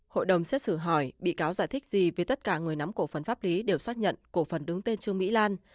hội đồng xét xử hỏi bị cáo giải thích gì vì tất cả người nắm cổ phần pháp lý đều xác nhận cổ phần đứng tên trương mỹ lan